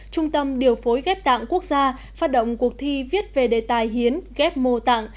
trung tâm điều phối ghép tạng quốc gia phát động cuộc thi viết về đề tài hiến ghép mô tạng